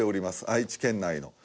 愛知県内の。